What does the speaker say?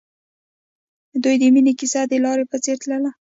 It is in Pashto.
د دوی د مینې کیسه د لاره په څېر تلله.